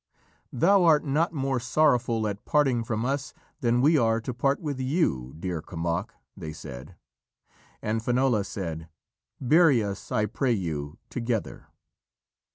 "Thou art not more sorrowful at parting from us than we are to part with you, dear Kemoc," they said. And Finola said, "Bury us, I pray you, together."